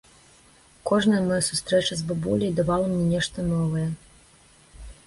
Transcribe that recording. Кожная мая сустрэча з бабуляй давала мне нешта новае.